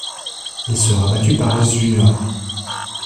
Il sera battu par Oz Junior.